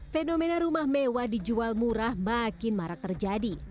fenomena rumah mewah dijual murah makin marak terjadi